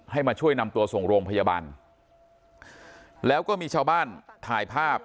มาช่วยนำตัวส่งโรงพยาบาลแล้วก็มีชาวบ้านถ่ายภาพ